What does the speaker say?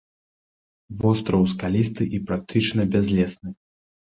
Востраў скалісты і практычна бязлесны.